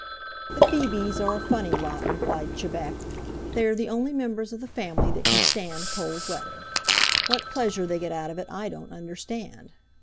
"The Phoebes are a funny lot," replied Chebec. "They are the only members of the family that can stand cold weather. What pleasure they get out of it I don't understand.